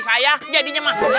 saya jadinya maksudnya